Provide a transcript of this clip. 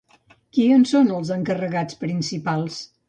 Qui en són els encarregats principals?